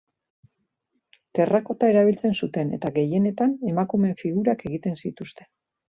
Terrakota erabiltzen zuten eta gehienetan emakumeen figurak egiten zituzten.